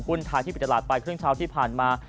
คุณท้ายที่ปิดตลาดไบคุณชาวที่ผ่านมา